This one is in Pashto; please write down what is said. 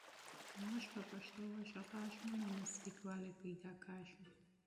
که موږ په پښتو وغږېږو نو نږدېوالی پیدا کېږي.